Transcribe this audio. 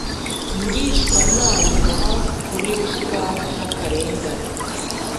ngishwanama kuri ruswa n akarengane